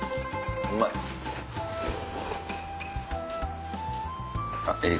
うまい！